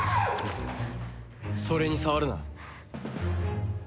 それに触るな。